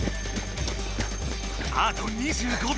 あと２５秒。